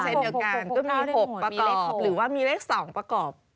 ก็มี๖ประกอบหรือว่ามีเลข๒ประกอบ